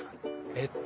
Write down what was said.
えっと